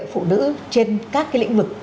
phụ nữ trên các cái lĩnh vực